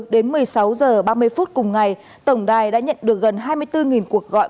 đến một mươi sáu h ba mươi phút cùng ngày tổng đài đã nhận được gần hai mươi bốn cuộc gọi